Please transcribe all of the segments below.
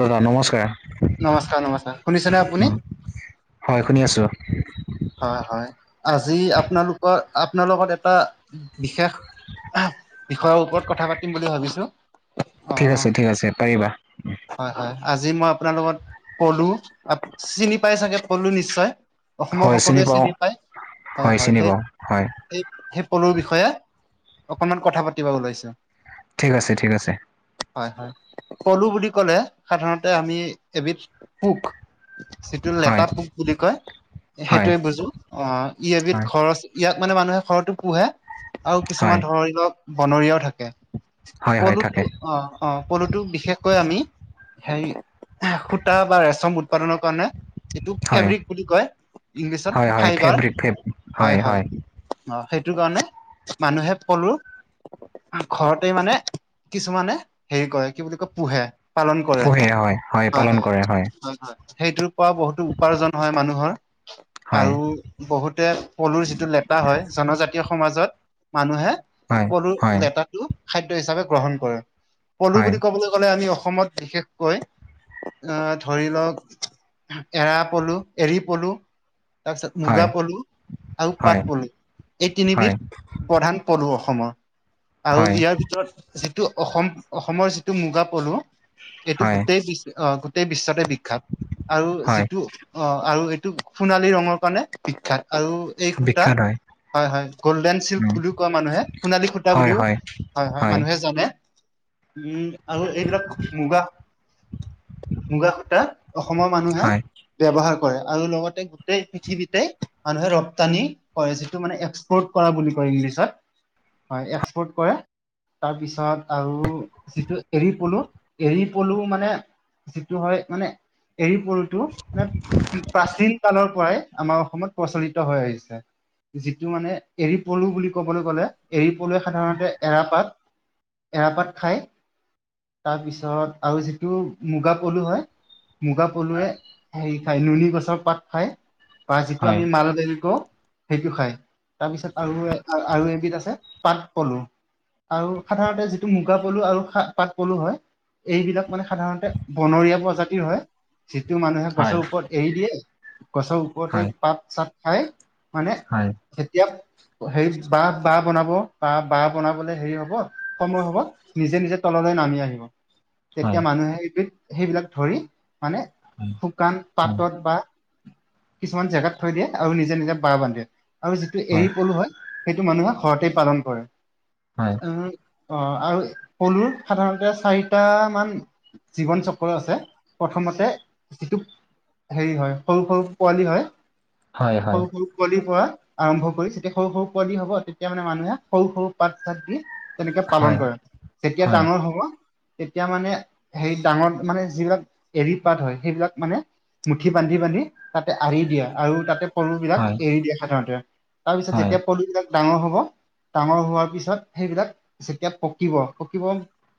দাদা নমস্কাৰ। হয় শুনি আছোঁ। হয় হয়, আজি আপোনালোকৰ আপোনালোক লগত এটা বিশেষ আহ, বিষয়ৰ ওপৰত কথা পাতিম বুলি ভাবিছো? অ ঠিক আছে ঠিক আছে পাৰিবা। হয় হয়, আজি মই আপোনাৰ লগত পলু, আপ চিনি পাই চাগে পলু নিশ্চয়, অসমৰ স হয় কলোৱে পাওঁ চিনি পায়, হয় হয় চিনি সেই পাওঁ হয় এই সেই পলুৰ বিষয়ে অকনমান কথা পাতিব ওলাইছো? ঠিক আছে ঠিক আছে। হয় হয়, পলু বুলি ক'লে সাধাৰণতে আমি এবিধ পোক যিটো হয় লেটা পোক বুলি কয়। হয় সেইটোয়ে বুজো, অ ই এবিধ হয় ঘৰচি ইয়াক মানে মানুহে ঘৰটো পোহে। আৰু হয় কিছুমান ধৰি লওক বনৰীয়াও থাকে, হয় হয় পলুটো থাকে অ অ পলুটো বিশেষকৈ আমি হেৰি এহ সুতা বা ৰেচম উৎপাদনৰ কাৰণে যিটো হয় ফেব্ৰিক বুলি কয় ইংলিছত হয় হয় ফাইবাৰ ফেব্ৰিক ফেব হয় হয়। অ সেইটো কাৰণে মানুহে পলো ঘৰতে মানে কিছুমানে হেৰি কৰে কি বুলি কয় পোহে। পালন কৰে পোহে হয় হয় পালন কৰে হয় হয় হয়। সেইটোৰ পৰা বহুতো উপাৰ্জন হয় মানুহৰ। হয় আৰু বহুতে পলুৰ যিটো লেটা হয়, জনজাতীয় সমাজত মানুহে হয় পলু হয় লেটাটো খাদ্য হিচাপে গ্ৰহণ কৰে, পলু হয় বুলি ক'বলৈ গ'লে আমি অসমত বিশেষকৈ আহ ধৰি লওক এৰা পলু, এৰী পলু তাৰপিছত হয় মুগা পলু আৰু পাট হয় পলু এই তিনিবিধ হয় প্ৰধান পঢ়ো অসমৰ আৰু হয় ইয়াৰ ভিতৰত যিটো অসম অসমৰ যিটো মুগা পলু এইটো হয় গোটেই বিশ অ তেই বিশ্বতে বিখ্যাত আৰু হয় যিটো অ আৰু এইটো সোণালী ৰঙৰ কাৰণে বিখ্যাত আৰু এই সূতা বিখ্যাত হয়। হয় হয় গ'ল্ডেন চিল্ক উম, বুলিও কয় মানুহে সোণালী খুটা হয় বুলিও হয় হয় হয় মানুহে জানে উম। আৰু এইবিলাক মুগা মুগা সূতা অসমৰ মানুহে হয় ব্যৱহাৰ কৰে। আৰু লগত গোটেই পৃথিৱীতেই মানুহে ৰপ্তানি কৰে যিটো মানে এক্সপৰ্ট কৰা বুলি কয় ইংলিছত। হয় এক্সপৰ্ট কৰে। তাৰপিছত আৰু যিটো এৰী পলু এৰী পলু মানে যিটো হয় মানে এৰী পলুটো মানে প্ৰাচীন ত পৰাই আমাৰ অসমত প্ৰচলিত হৈ আহিছে। যিটো মানে এৰি পলু বুলি ক'বলৈ গ'লে এৰী পলুৱে সাধাৰণতে এৰাপাত এৰাপাত খায় তাৰপিছত আৰু যিটো মুগা পলু হয় মুগা পলুৱে হেৰি খায় নুনী গছৰ পাত খায় বা যিটো হয় আমি মাল বালকও সেইটো খাই তাৰপিছত আৰু আৰু এবিধ আছে পাট পলু আৰু সাধাৰণতে যিটো মুগা পলু আৰু সা পাট পলু হয় এইবিলাক মানে সাধাৰণতে বনৰীয়া প্ৰজাতিৰ হয়। যিটো মানুহে গছৰ হয় ওপৰত এৰি দিয়ে, গছৰ হয় ওপৰতে পাত - চাত খাই মানে হয় হয় যেতিয়া হেৰি বাহ বাহ বনাব বা বাহ বনাবলে হেৰি হব সময় হব নিজে নিজে তললৈ নামি আহিব। হয় তেতিয়া মানুহে এইটো সেইবিলাক ধৰি মানে শুকান পাতত বা কিছুমান জেগাত থৈ দিয়ে আৰু নিজে - নিজে বাৰ বান্ধে আৰু যিটো এৰী পলু হয় সেইটো মানুহে ঘৰতেই পালন কৰে। হয়। উ অ আৰু পলু সাধাৰণতে চাৰিটা মান জীৱন চক্ৰ আছে প্ৰথমতে যিটো হেৰি হয় সৰু সৰু পোৱালি হয় হয় হয় হয়, সৰু সৰু পোৱালি পৰা আৰম্ভ কৰি যেতিয়া সৰু সৰু পোৱালী হ'ব তেতিয়া মানে মানুহে সৰু সৰু পাত চাত দি তেনেকে হয় পালন কৰে যেতিয়া হয় ডাঙৰ হব। তেতিয়া মানে হেৰি ডাঙৰ মানে যিবিলাক এৰী পাত হয় সেইবিলাক মানে, মুঠি বান্ধি, বান্ধি, তাতে আৰি দিয়ে আৰু তাতে পলু বিলাক হয় এৰি দিয়ে সাধাৰণতে তাৰ পিছত হয় যেতিয়া পলু বিলাক ডাঙৰ হ'ব ডাঙৰ হোৱাৰ পিছত সেইবিলাক যেতিয়া পকিব পকিব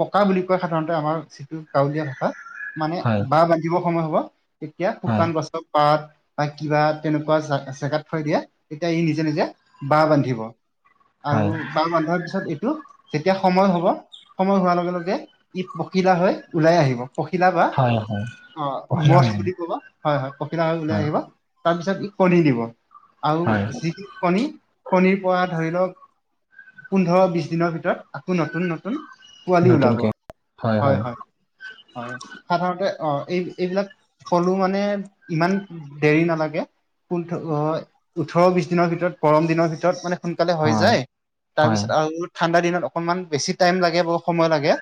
পকা বুলি কয় সাধাৰণতে আমাৰ যিটো গাঁৱলীয়া ভাষা। মানে হয় বাহ বান্ধিব সময় হব তেতিয়া হয় শুকান গছৰ পাত, বা কিবা তেনেকুৱা জেগাত থৈ দিয়ে তেতিয়া সি নিজে নিজে বাহ বান্ধিব। হয় আৰু বাহ বান্ধাৰ পিছত এইটো যেতিয়া সময় হব। সময় হোৱাৰ লগে লগে ই পখিলা হৈ ওলাই আহিব। পখিলা বা হয় হয় অ অখিলা হৈ মজ যায় বুলি ক'ব হয় হয় পখিলা হৈ ওলাই হয় আহিব। তাৰ পিছত কণী দিব আৰু হয় যি কণী কণীৰ পৰা ধৰি লওক পোন্ধৰ বিশ দিনৰ ভিতৰত আকৌ নতুন নতুন পোৱালি ওলাব নতুনকে হয় হয়। হয় সাধাৰণতে অ এই এইবিলাক পলু মানে ইমান দেৰি নালাগে ফুল ওঠৰ বিশ দিনৰ ভিতৰত গৰম দিনৰ ভিতৰত মানে সোনকালে হৈ হয় যায় হয় তাৰপিছত আৰু ঠাণ্ডা দিনত অকনমান বেছি টাইম লাগে ব সময় লাগে।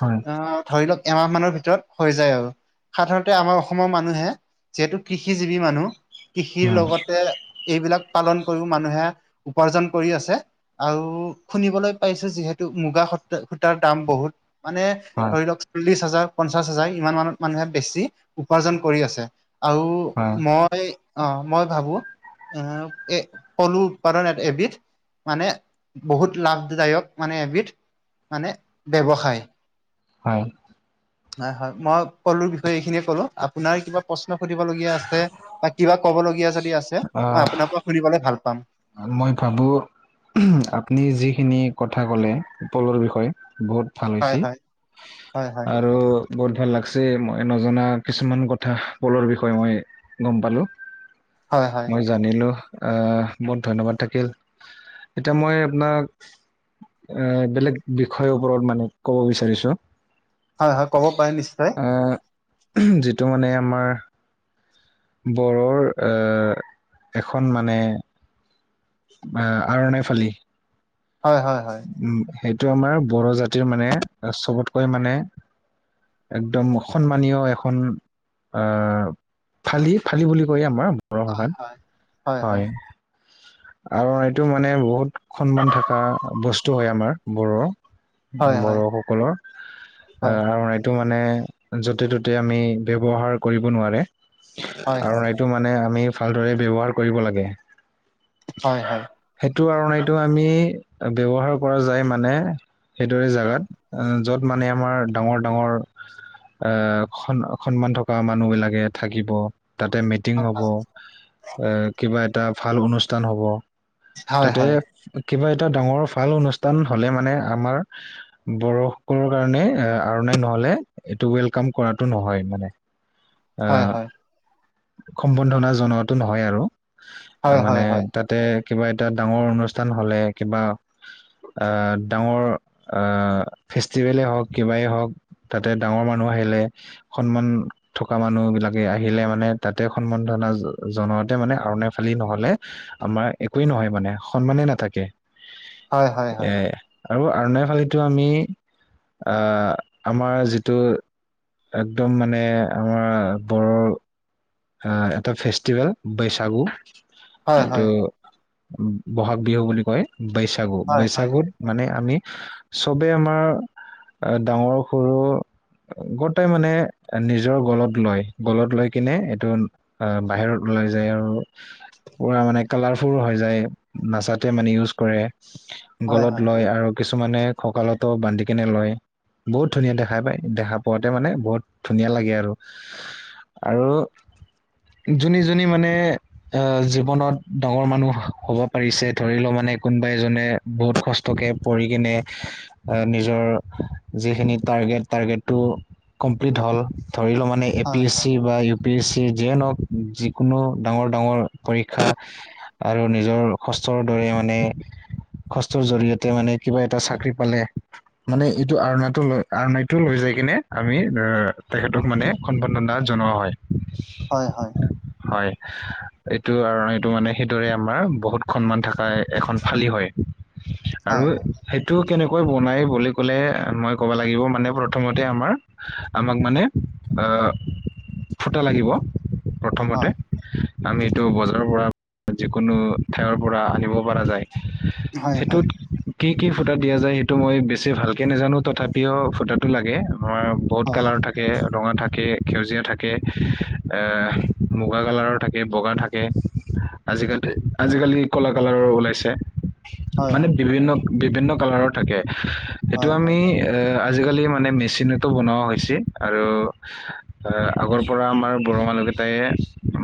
হয়। অ ধৰি লওক এমাহ মানৰ ভিতৰত হৈ যায় আৰু সাধাৰণতে আমাৰ অসমৰ মানুহে, যিহেতু কৃষি জীৱী মানুহ কৃষিৰ উম লগতে, এইবিলাক পালন কৰিও মানুহে উপাৰ্জন কৰি আছে। আৰু শুনিবলৈ পাইছো যিহেতু মুগা সূ সূতাৰ দাম বহুত মানে হয় ধৰি লওক চল্লিশ হাজাৰ, পঞ্চাশ হাজাৰ, ইমান মানত মানুহে বেছি উপাৰ্জন কৰি আছে। আৰু হয় মই অ মই ভাবো এ এ পলু উৎপাদন এ এবিধ মানে বহুত লাভদায়ক মানে এবিধ মানে ব্যৱসায়। হয়। হয় হয় মই পলুৰ বিষয়ে এইখিনিয়ে ক'লো। আপোনাৰ কিবা প্ৰশ্ন সুধিবলগীয়া আছে বা কিবা ক'ব লগীয়া যদি আছে মই আহ আপোনাৰ পৰা সুনিবলে ভাল পাম, মই ভাবোঁ, ওম আপুনি যিখিনি কথা ক'লে পলুৰ বিষয়ে বহুত, ভাল হয় হৈছে হয় হয় হয় আৰু বহুত ভাল লাগছে মই নজনা কিছুমান কথা পলুৰ বিষয়ে মই গম পালোঁ, হয় হয়। জানিলোঁ আ বহুত ধন্যবাদ থাকিল। এতিয়া মই আপোনাক এ বেলেগ বিষয়ৰ ওপৰত মানে কব বিচাৰিছো। হয় হয় ক'ব পাৰে নিশ্চয় এই যিটো মানে আমাৰ বড়োৰ এখন মানে, আ আৰণাই ফালি। হয় হয় হয়। উ সেইটো আমাৰ বড়ো জাতিৰ মানে চবতকৈ মানে, একদম সন্মানীয় এখন, আফালি ফালি বুলি কয় আমাৰ বড়ো ভাষাত হয়। আৰু এইটো মানে বহুত সন্মান থকা বস্তু হয় আমাৰ বড়োৰ, হয় হয় বড়ো সকলৰ। হয় হয় আহ এইটো মানে য'তে ত'তে আমি ব্যৱহাৰ কৰিব নোৱাৰে। হয় হয়। টো মানে আমি ভালদৰে ব্যৱহাৰ কৰিব লাগে। হয় হয়। সেইটো কাৰণে এইটো আমি ব্যৱহাৰ কৰা যায় মানে সেইদৰে জেগাত আ য'ত মানে আমাৰ ডাঙৰ - ডাঙৰ আহ সন সন্মান থকা মানুহবিলাকে থাকিব তাতে মে মিটিং হ'ব, এ কিবা এটা ভাল অনুষ্ঠান হ'ব হয় হয় তাতে হয় কিবা এটা ডাঙৰ ভাল অনুষ্ঠান হলে মানে আমাৰ বৰসকলৰ কাৰণে এ আৰু নাই নহলে এইটো ৱেলকাম কৰাটো নহয় মানে। [inaudible] আ হয় হয় সম্বৰ্ধনা জনোৱাটো নহয় আৰু মানে হয় হয় হয় হয় হয় তাতে কিবা এটা ডাঙৰ অনুষ্ঠান হলে কিবা আহ ডাঙৰ আহ ফেষ্টিভেলে হওঁক কিবাই হওঁক তাতে ডাঙৰ মানুহ আহিলে সন্মান থকা মানুহবিলাকে আহিলে মানে তাতে সন্মান ধণা জনোৱাতে মানে আৰুণে খালী নহলে আমাৰ একোৱেই নহয় মানে সন্মানে নাথাকে, হয় হয় হয় এ আৰু আৰনাই ফালেটো আমি আ আমাৰ যিটো একদম মানে আমাৰ পৰৰ অ এটা ফেষ্টিভেল বৈচাগু এইটো হয় হয় হয় বহাগ বিহু বুলি কয়, বৈশাগু - বৈশাগুত মানে আমি চবে আমাৰ আ ডাঙৰ - সৰু গোটাই মানে নিজৰ গলত লয়, গলত লৈ কিনে টো আ বাহিৰত ওলাই যায় আৰু পুৰা মানে কালাৰফুল হৈ যায়, নাচাতে মানে ইউজ কৰে। হয় হয় হয় গলত লয় আৰু কিছুমানে ককালতো বান্ধি কিনে লয়। বহুত ধুনীয়া দেখাই পায়, দেখা পোৱাতে মানে বহুত ধুনীয়া লাগে আৰু আৰু যোনি যোনি মানে অ জীৱনত ডাঙৰ মানুহ হব পাৰিছে ধৰি লও মানে কোনবা এজনে বহুত কষ্টকে পৰি কিনে আ নিজৰ যিখিনি টাৰ্গেট, টাৰ্গেটটো কমপ্লিট হল ধৰি ল মা মানে এ পি এছ চি বা ইউ পি এছ চি যিয়ে নহওক যিকোনো ডাঙৰ-ডাঙৰ পৰীক্ষা আৰু নিজৰ কষ্টৰ দৰে মানে কষ্টৰ জৰিয়তে মানে কিবা এটা চাকৰি পালে মানে এইটো আৰনাটো লৈ, আৰনাটো লৈ যাই কিনে আমি এ' তেখেতক মানে সম্বৰ্ধনা জনোৱা হয়। হয় হয়। হয় এইটো আৰু এইটো মানে সেইদৰে আমাৰ বহুত সন্মান থাকাই এখন ফালি হয় আৰু হয় সেইটো কেনেকৈ বনাই বুলি ক'লে মই ক'ব লাগিব মানে প্ৰথমতে আমাৰ আমাক মানে আহ ফুটা লাগিব প্ৰথমতে আমিটো বজাৰৰ পৰা যিকোনো ঠাইৰ পৰা আনিব পৰা যায়। হয় হয় সেইটোত কি কি ফুটা দিয়া যায়, সেইটো মই বেছি ভালকে নাজানো তথাপিও ফুটাটো লাগে। আমাৰ বহুত কালাৰ থাকে, ৰঙা থাকে, সেউজীয়া থাকে কে, এ মুগা কালাৰৰ থাকে, বগা থাকে। আজিকালি-আজিকালি কলা-কালাৰ ওলাইছে। মানে বিভিন্ন-বিভিন্ন কালাৰৰ থাকে। সেইটো হয় আমি আজিকালি মানে মেচিনতো বনোৱা হৈছে। আৰু আ আগৰ পৰা আমাৰ বড়া মানুহকেইটাই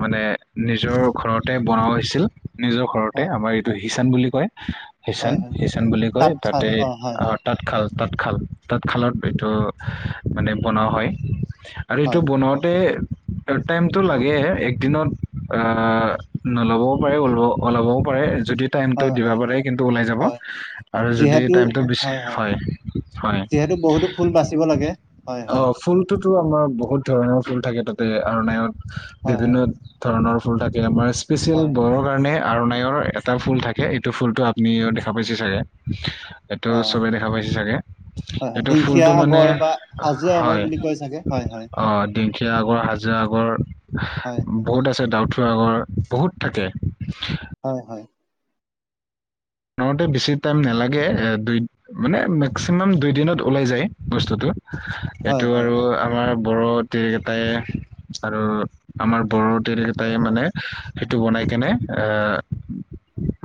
মানে নিজৰ ঘৰতে বনোৱা হৈছিল। নিজৰ ঘৰতে। হয় আমাৰ এইটো হিচান বুলি কয়, হয় হয় হিচান-হিচান বুলি কয়। তাঁতশাল তাতে অ হয় আঁহ তাঁতশাল, তাঁতশাল, তাঁতশালত এইটো মানে বনোৱা হয়। আৰু এইটো হয় বনাওঁতে, টাইমতটো লাগে একদিনত আঁহ নল'বও পাৰে ওলাবও পাৰে যদি- টাইমতে হয় দিব হয় পাৰিলে কিন্তু ওলাই যাব। হয় আৰু যদি টাইমটো হয় হয়। যিহেতু বহুতো ফুল বাচিব লাগে হয় অ হয়। ফুলটোতো আমাৰ বহুত ধৰণৰ ফুল থাকে তাতে আৰণায়ত হয় হয় বিভিন্ন- ধৰণৰ ফুল থাকে আমাৰ স্পেচিয়েল হয় বৰনৰ কাৰণে আৰনাইৰ এটা ফুল থাকে এইটো ফুলটো আপুনিও দেখা পাইছে চাগে। অ এইটো চবেই দেখা পাইছে চাগে। হয় হয় এইটো ঢেংকীয়া ফুলটো মানে আগৰ বা হাজো আগৰ হয় বুলি কয় চাগে হয় হয় অঁ তিংখীয়া আগৰ, হাজিৰা আগৰ, হয় বহুত আছে, ডাউট আগৰ বহুত থাকে। হয় হয়। নওঁতে বেছি টাইম নালাগে এ দুই মানে মেক্সিমাম দুই দিনত ওলাই যায় বস্তুটো হয় এইটো হয় হয় আৰু আমাৰ বড়ো তিৰিকেইটাই আৰু আমাৰ বড়ো তিৰিকেইটাই মানে সেইটো বনাই কিনে আঁহ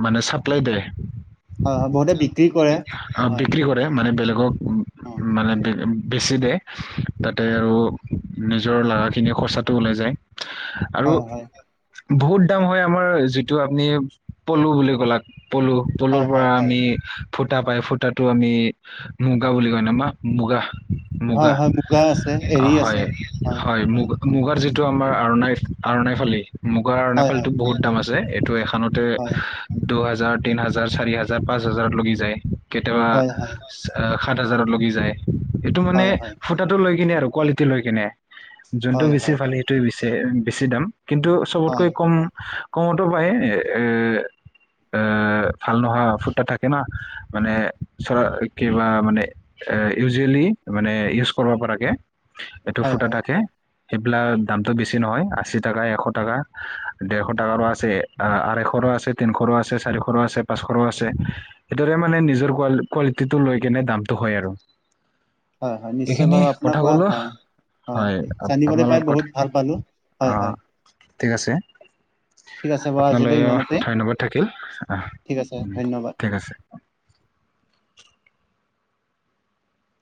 মানে চাপ্লাই দিয়ে। হয় হয় বহুতে বিক্ৰী কৰে হয়। বিক্ৰী মানে বেলেগক অ মানে বেছি দিয়ে। তাতে আৰু নিজৰ লগাখিনি খৰচাটো ওলাই যায়। আৰু হয় হয় বহুত দাম হয় আমাৰ যিটো আপুনি পলু বুলি কলা পলু, পলুৰ হয় পৰা হয় হয় আমি- সুতা পায় সুতাটো আমি মুগা বুলি কয় না মা মুগা। মুগা হয় হয় আছে অ‌ এৰী আছে হয়‌ হয় মুগা। মুগাৰ যিটো আমাৰ আৰণাই আৰণাই ফালি মুগাৰ আৰণাই হয় ফালিটো বহুত দাম আছে এইটো এখন হয় দুহাজাৰ, তিনি হাজাৰ, চাৰি হাজাৰ, পাঁচ হাজাৰত লৈকে যায়। কেতিয়াবা, হয় হয় সাত হাজাৰত লৈকে যায়। এইটো মানে হয় হয় সুতাটো লৈ কিনে আৰু কোৱালিটি লৈ কিনে। যোনটো হয় বেছি হয় ভালে সেইটোৱে বেছি দাম কিন্তু হয় হয় চবতকৈ কম, কমতো পায় এ এ ভাল নোহোৱা সুতাটা থাকে ন মানে চৰা কিবা মানে- এ ইউজুৱেলি মানে ইউজ কৰিব পৰাকে এইটো হয় সুতাটা হয় থাকে। সেইবিলাক দামটো বেছি নহয় আশী টকা, এশ টকা, ডেৰশ টকাৰো আছে। আহ আৰশৈৰ আছে, তিনিশৰো আছে, চাৰিশৰো আছে। পাঁচশৰ আছে সেইটোৰে মানে নিজৰ কোৱালিটি টো লৈ কিনে দামটো হয় আৰু হয় হয় নিশ্চয় এইখিনি বাৰু আপোনাৰ কথা পৰা কলো। হয় হয় জানিবলৈ পাই আপোনালোকৰ বহুত ভাল পালো হয় কথা হয় অঁ ঠিক আছে। ঠিক আছে বাৰু আজিলৈ আপোনালৈ ইমানতে ধন্যবাদ থাকিল আহ, ঠিক আছে ধন্যবাদ। ঠিক আছে,